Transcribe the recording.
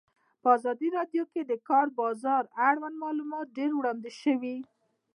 په ازادي راډیو کې د د کار بازار اړوند معلومات ډېر وړاندې شوي.